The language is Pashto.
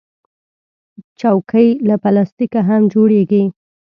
چوکۍ له پلاستیکه هم جوړیږي.